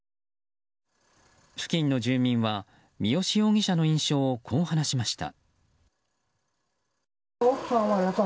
付近の住民は三好容疑者の印象をこう話しました。